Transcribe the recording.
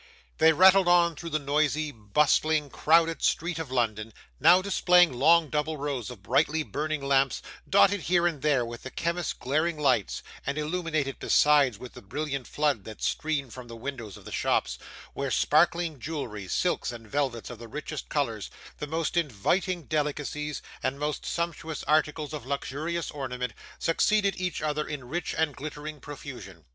They rattled on through the noisy, bustling, crowded street of London, now displaying long double rows of brightly burning lamps, dotted here and there with the chemists' glaring lights, and illuminated besides with the brilliant flood that streamed from the windows of the shops, where sparkling jewellery, silks and velvets of the richest colours, the most inviting delicacies, and most sumptuous articles of luxurious ornament, succeeded each other in rich and glittering profusion.